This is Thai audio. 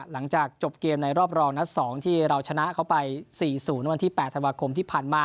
หลังจากจบเกมในรอบรองนัด๒ที่เราชนะเขาไป๔๐วันที่๘ธันวาคมที่ผ่านมา